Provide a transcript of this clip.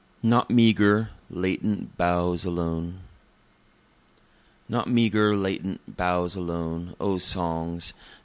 Not Meagre, Latent Boughs Alone Not meagre, latent boughs alone, O songs!